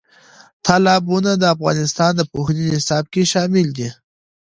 تالابونه د افغانستان د پوهنې نصاب کې شامل دي.